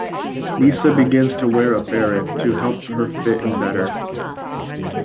Lisa begins to wear a beret to help her fit in better.